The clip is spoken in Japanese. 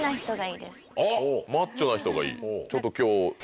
マッチョな人がいいちょっと。